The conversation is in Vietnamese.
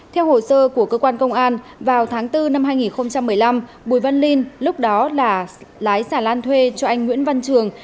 theo hồ sơ của cơ quan công an vào tháng bốn năm hai nghìn một mươi năm bùi văn linh lúc đó là lái xà lan thuê cho anh nguyễn văn trường